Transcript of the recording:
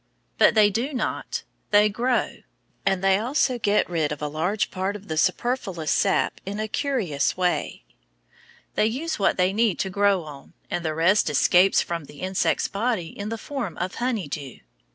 But they do not; they grow. And they also get rid of a large part of the superfluous sap in a curious way. They use what they need to grow on, and the rest escapes from the insect's body in the form of "honey dew."